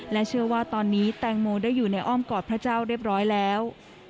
เชื่อว่าตอนนี้แตงโมได้อยู่ในอ้อมกอดพระเจ้าเรียบร้อยแล้ว